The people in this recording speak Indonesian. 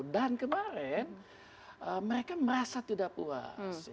dan kemarin mereka merasa tidak puas